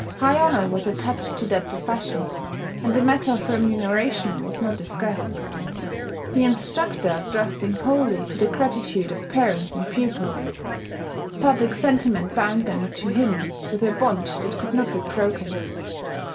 High honour was attached to that profession; and the matter of remuneration was not discussed, the instructor trusting wholly to the gratitude of parents and pupils. Public sentiment bound them to him with a bond that could not be broken.